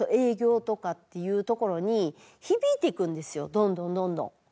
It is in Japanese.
どんどんどんどん。